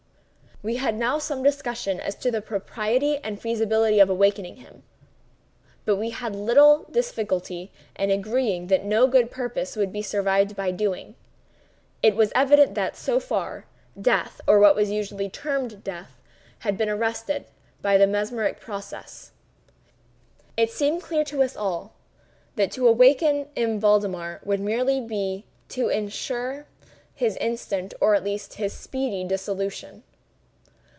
We had now some discussion as to the propriety and feasibility of awakening him; but we had little difficulty in agreeing that no good purpose would be served by so doing. It was evident that, so far, death (or what is usually termed death) had been arrested by the mesmeric process. It seemed clear to us all that to awaken M. Valdemar would be merely to insure his instant, or at least his speedy, dissolution.